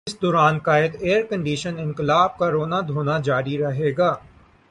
اس دوران قائد ائیرکنڈیشنڈ انقلاب کا رونا دھونا جاری رہے گا۔